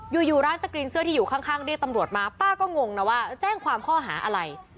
อยู่อยู่ร้านสกรีนเสื้อที่อยู่ข้างเรียกตำรวจมาป้าก็งงนะว่าแจ้งความข้อหาอะไร